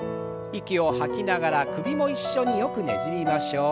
息を吐きながら首も一緒によくねじりましょう。